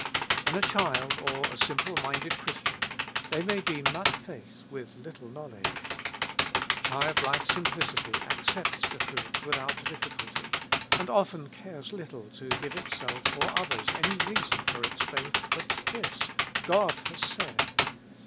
In a child or a simple minded Christian there may be much faith with little knowledge. Childlike simplicity accepts the truth without difficulty, and often cares little to give itself or others any reason for its faith but this : God has said.